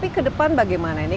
tapi kedepan bagaimana ini